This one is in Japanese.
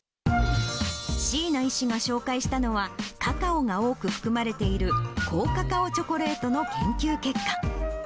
椎名医師が紹介したのは、カカオが多く含まれている高カカオチョコレートの研究結果。